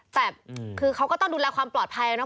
แต่คือเขาก็ต้องดูแลความปลอดภัยนะ